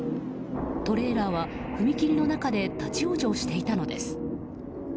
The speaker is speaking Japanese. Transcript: トレーラーは踏切の中で立ち往生していたのです。